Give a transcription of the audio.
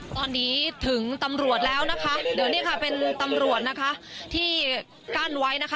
ตอนนี้ถึงตำรวจแล้วนะคะเดี๋ยวนี้ค่ะเป็นตำรวจนะคะที่กั้นไว้นะคะ